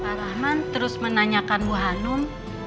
pak rahman terus menanyakan bu hanum